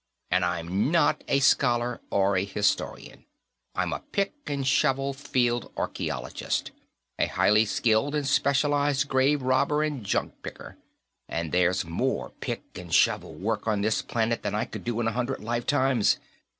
And I'm not a scholar or a historian; I'm a pick and shovel field archaeologist a highly skilled and specialized grave robber and junk picker and there's more pick and shovel work on this planet than I could do in a hundred lifetimes.